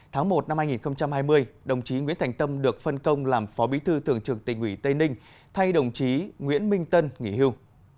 tháng một năm hai nghìn hai mươi đồng chí nguyễn thành tâm được phân công làm phó bí thư thường trực tỉnh ủy tây ninh thay đồng chí nguyễn minh tân nghỉ hưu